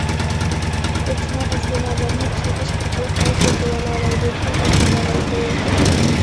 كۆچمە ئەسلىھەلەرنى ئىشلىتىش ئارقىلىق مال سېتىۋالالايدۇ، پۇل تاپشۇرالايدۇ.